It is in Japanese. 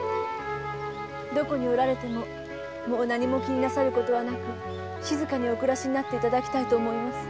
どこにおられてももう何も気になさることはなく静かにお暮らしになっていただきたいと思います。